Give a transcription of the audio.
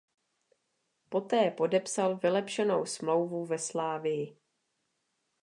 Poté podepsal vylepšenou smlouvu ve Slavii.